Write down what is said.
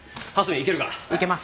行けます！